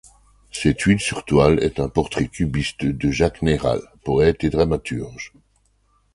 Cette huile sur toile est un portrait cubiste de Jacques Nayral, poète et dramaturge.